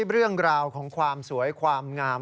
เรื่องราวของความสวยความงาม